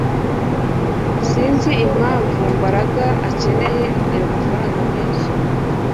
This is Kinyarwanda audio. Sinzi impamvu Mbaraga akeneye ayo mafranga menshi